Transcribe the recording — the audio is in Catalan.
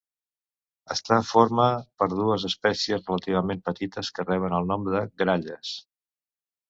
Està forma per dues espècies relativament petites que reben el nom de gralles.